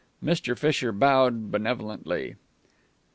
Mr. Fisher bowed benevolently.